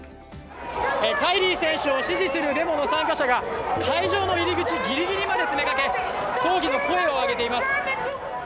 カイリー選手を支持するでもの参加者が会場の入り口ギリギリまで詰めかけ、抗議の声を上げています。